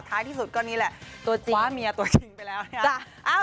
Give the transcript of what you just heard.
ท้ายที่สุดก็นี้แหละคว้าเมียตัวจริงไปแล้ว